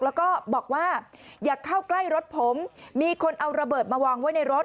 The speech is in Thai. แล้วก็บอกว่าอย่าเข้าใกล้รถผมมีคนเอาระเบิดมาวางไว้ในรถ